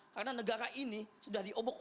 karena negara ini sudah dioperasikan